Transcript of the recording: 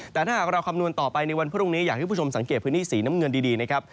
แต่ถ้าหากเราคำนวณต่อไปในวันพรุ่งนี้อยากให้ผู้ชมสังเกตพื้นที่สีน้ำเงินดีนะครับ